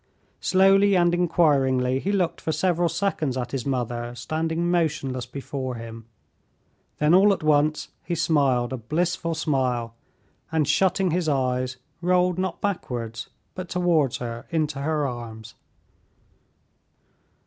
Slowly and inquiringly he looked for several seconds at his mother standing motionless before him, then all at once he smiled a blissful smile, and shutting his eyes, rolled not backwards but towards her into her arms.